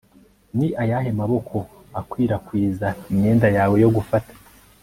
Ni ayahe maboko akwirakwiza imyenda yawe yo gufata